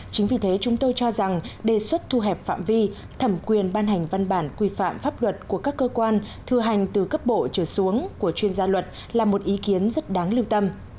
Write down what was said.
chính vì thế chúng tôi cho rằng đề xuất thu hẹp phạm vi thẩm quyền ban hành văn bản quy phạm pháp luật của các cơ quan thu hành từ cấp bộ trở xuống của chuyên gia luật là một ý kiến rất đáng lưu tâm